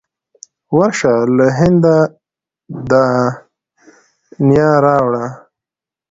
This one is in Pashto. ورشه له هنده د نیا را وړه.